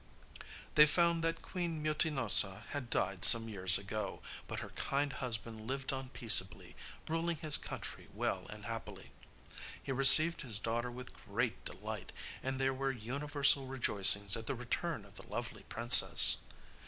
They found that Queen Mutinosa had died some years ago, but her kind husband lived on peaceably, ruling his country well and happily. He received his daughter with great delight, and there were universal rejoicings at the return of the lovely princess.